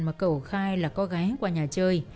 mà cầu khai là có gái qua nhà chơi